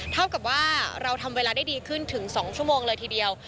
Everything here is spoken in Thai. เท่ากับว่าเราทำเวลาได้ดีขึ้นถึง๒ชั่วโมงเลยทีเดียว